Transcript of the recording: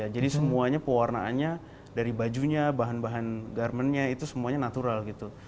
jadi semuanya pewarnaannya dari bajunya bahan bahan garmennya itu semuanya natural